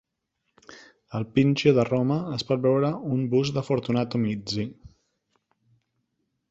Al Pincio de Roma es pot veure un bust de Fortunato Mizzi.